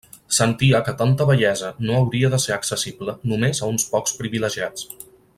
Sentia que tanta bellesa no hauria de ser accessible només a uns pocs privilegiats.